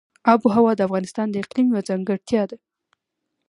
آب وهوا د افغانستان د اقلیم یوه ځانګړتیا ده.